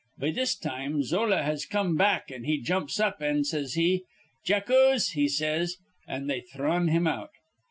Be this time Zola has come back; an' he jumps up, an', says he, 'Jackuse,' he says. An' they thrun him out.